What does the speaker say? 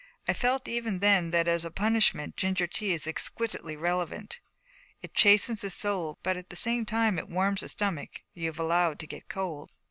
I felt even then that as a punishment ginger tea is exquisitely relevant. It chastens the soul but at the same time it warms the stomach you've allowed to get cold.